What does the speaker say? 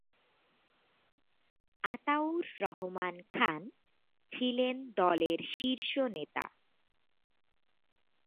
আতাউর রহমান খান ছিলেন দলের শীর্ষ নেতা।